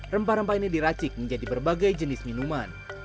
rempah rempah ini diracik menjadi berbagai jenis minuman